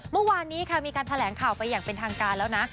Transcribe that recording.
เมื่อวานนี้ค่ะมีการแถลงข่าวไปอย่างเป็นทางการแล้วนะ